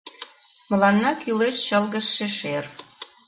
Мыланна кӱлеш чылгыжше шер.